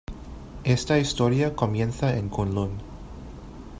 Esta historia comienza en Kunlun.